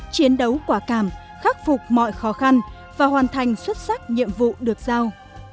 chiến đấu quả cảm khắc phục mọi khó khăn và hoàn thành xuất sắc nhiệm vụ được giao